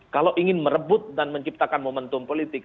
kalau ingin merebut dan menciptakan momentum politik